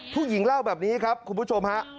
ผู้หญิงเล่าแบบนี้ครับคุณผู้ชมฮะ